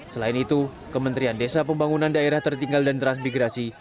selain itu kementerian desa pembangunan daerah tertinggal dan transmigrasi